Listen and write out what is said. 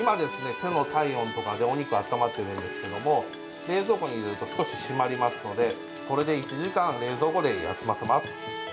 手の体温とかでお肉があったまってるんですけども冷蔵庫に入れると少し締まりますのでこれで１時間冷蔵庫で休ませます。